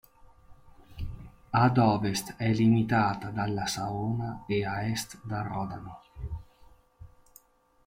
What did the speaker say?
Ad ovest à limitata dalla Saona e ad est dal Rodano.